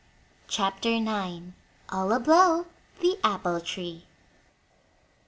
CHAPTER IX. ALL A BLOW: THE APPLE TREE.